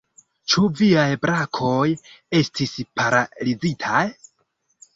Ĉu viaj brakoj estis paralizitaj?